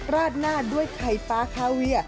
ราดหน้าด้วยไข่ฟ้าคาเวีย